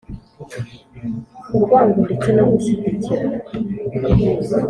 , urwango, ndetse no gushyigikira